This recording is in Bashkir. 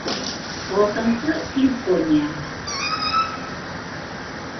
Алтынсы симфония.